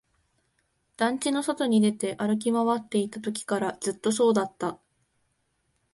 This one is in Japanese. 団地の外に出て、歩き回っていたときからずっとそうだった